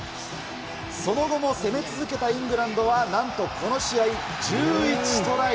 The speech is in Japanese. その後も攻め続けたイングランドは、なんとこの試合１１トライ。